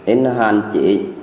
in hạn chỉ